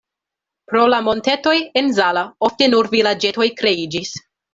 Pro la montetoj en Zala ofte nur vilaĝetoj kreiĝis.